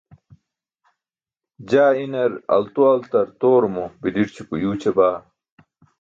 jaa inar altoaltartoorumo biḍirćuko yuuća baa